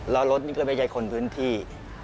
แล้วรถนี่ก็ไม่ใช่คนพื้นที่